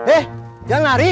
eh jangan lari